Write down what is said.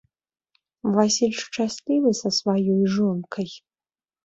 Васіль шчаслівы са сваёй жонкай?